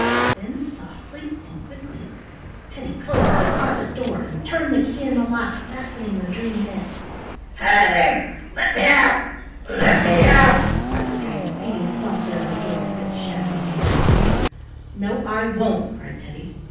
Then softly and quickly Teddy closed the closet door, and turned the key in the lock, fastening the dream in. "Hi there! let me out! let me out!" cried the dream, beating softly on the door with its shadowy hands. "No, I won't," cried Teddy.